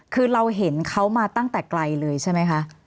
คือเราเห็นเขามาตั้งแต่ไกลเลยใช่ไหมคะ